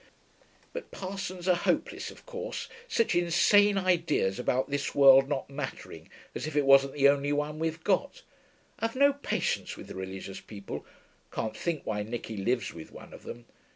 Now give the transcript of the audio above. But parsons are hopeless, of course. Such insane ideas about this world not mattering, as if it wasn't the only one we've got. I've no patience with religious people; can't think why Nicky lives with one of them.